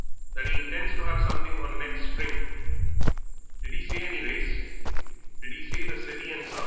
"That he intends to have something on next spring." "Did he say any race? Did he say the City and Sub.?"